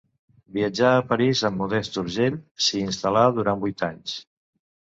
Viatjà a París amb Modest Urgell, s'hi instal·la durant vuit anys.